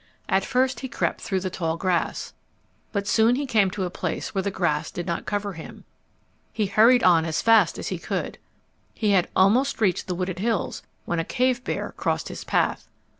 At first he crept through the tall grass. But he soon came to a place where the grass did not cover him. He hurried on as fast as he could. He had almost reached the wooded hills when a cave bear crossed his path.